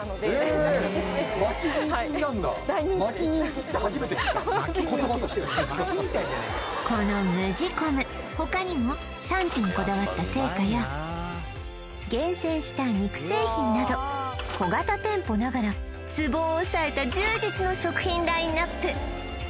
言葉としてこのＭＵＪＩｃｏｍ他にも産地にこだわった青果や厳選した肉製品など小型店舗ながらツボを押さえた充実の食品ラインナップ